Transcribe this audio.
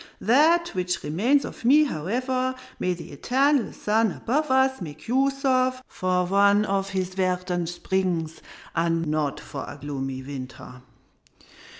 That which remains of me, however, may the eternal sun above us make use of for one of his verdant springs, not for a gloomy winter!